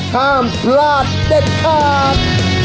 ห้ามพลาดได้ครับ